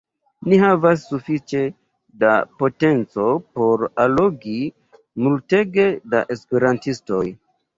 Ni havas sufiĉe da potenco por allogi multege da esperantistoj